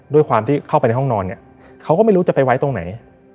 ด้วยความที่เข้าไปในห้องนอนเนี่ยเขาก็ไม่รู้จะไปไว้ตรงไหน